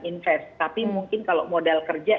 investasi tapi mungkin kalau modal kerja